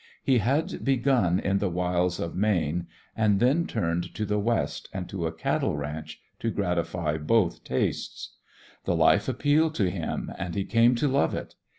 He had begun in the wilds of Maine and then turned to the West and to a cattle ranch to gratify both tastes. The life appealed to him and he came to love it.